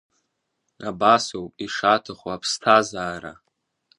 Абасоуп ишаҭаху аԥсҭазаара!